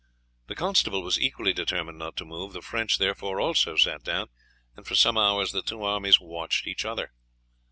The constable was equally determined not to move; the French therefore also sat down, and for some hours the two armies watched each other.